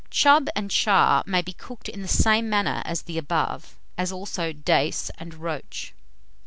Chub and Char may be cooked in the same manner as the above, as also Dace and Roach.